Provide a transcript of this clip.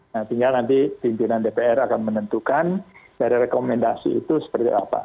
nah tinggal nanti pimpinan dpr akan menentukan dari rekomendasi itu seperti apa